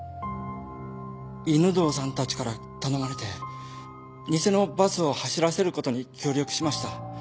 犬堂さんたちから頼まれて偽のバスを走らせることに協力しました。